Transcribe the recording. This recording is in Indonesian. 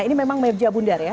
ini memang meja bundar ya